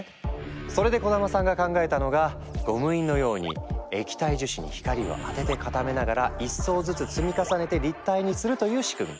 それで小玉さんが考えたのがゴム印のように液体樹脂に光を当てて固めながら１層ずつ積み重ねて立体にするという仕組み。